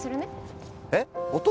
えっ？